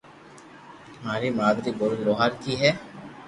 مارو مادري ٻولي لوھارڪي ھي